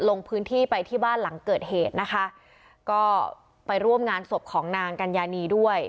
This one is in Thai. ลงพื้นที่ไปที่บ้านหลังเกิดเหตุนะคะก็ไปร่วมงานศพของนางกัญญานีด้วย